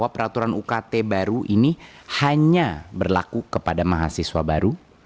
peraturan ukt baru ini hanya berlaku kepada mahasiswa baru